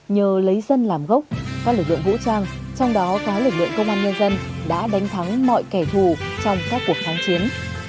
nhờ lấy dân làm gốc các lực lượng vũ trang trong đó có lực lượng công an nhân dân đã đánh thắng mọi kẻ thù trong các cuộc kháng chiến